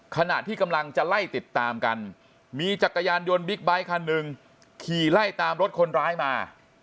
ขณะที่กำลังจะไล่ติดตามกันมีจักรยานยนต์บิ๊กไบท์คันหนึ่งขี่ไล่ตามรถคนร้ายมา